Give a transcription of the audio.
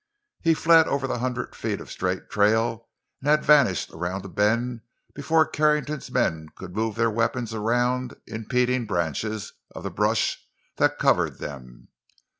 He fled over the hundred feet of straight trail and had vanished around a bend before the Carrington men could move their weapons around impeding branches of the brush that covered them.